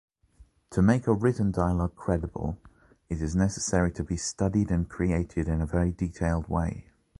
To make a written dialogue credible, it is necessary to be studied and created in a very detailed way.